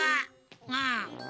うん。